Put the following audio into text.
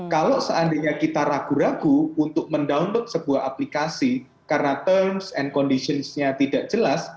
kalau seandainya kita ragu ragu untuk mendownload sebuah aplikasi karena terms and conditionsnya tidak jelas